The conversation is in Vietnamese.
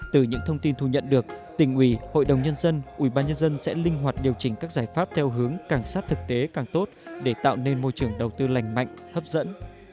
từ những thông tin thu nhận được tỉnh ủy hội đồng nhân dân ubnd sẽ linh hoạt điều chỉnh các giải pháp theo hướng càng sát thực tế càng tốt để tạo nên môi trường đầu tư lành mạnh hấp dẫn